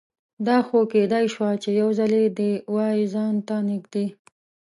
دا خو کیدای شوه چې یوځلې دې وای ځان ته نږدې